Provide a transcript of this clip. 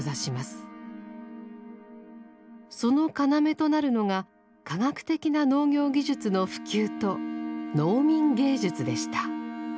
その要となるのが科学的な農業技術の普及と「農民芸術」でした。